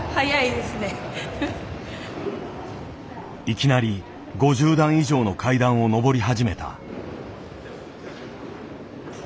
いきなり５０段以上の階段を上り始めた。